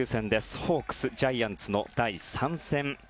ホークス、ジャイアンツの第３戦。